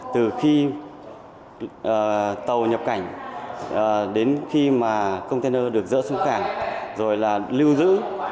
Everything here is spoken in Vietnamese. từ khi tàu nhập cảnh đến khi mà container được dỡ xuống cảng rồi là lưu giữ